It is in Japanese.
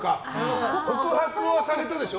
告白はされたでしょ？